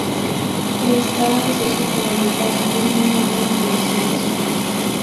Que está ansioso por ayudar, tiene una buena conciencia.